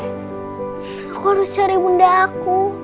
aku harus cari bunda aku